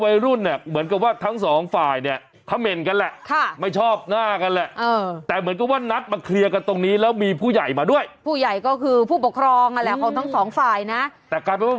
ไม่ต้องไม่ต้องไม่ต้องไม่ต้องไม่ต้องไม่ต้องไม่ต้องไม่ต้องไม่ต้องไม่ต้อง